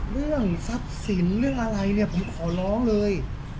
เรื่องทรัพย์สินเรื่องอะไรเนี่ยผมขอร้องเลย